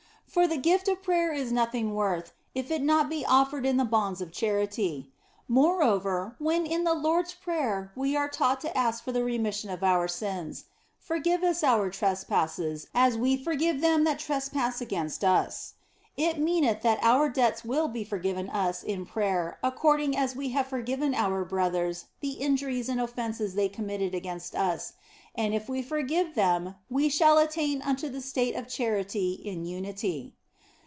For the gift of prayer is nothing worth if it be not offered in the bonds of charity. Moreover, when in the Lord s prayer we are taught to ask for the re mission of our sins, " Forgive us our trespasses as we for give them that trespass against us," it meaneth that our debts will be forgiven us in prayer according as we have forgiven our brothers the injuries and offences they com ii8 THE BLESSED ANGELA mitted against us, and if we forgive them we shall attain unto the state of charity in unity.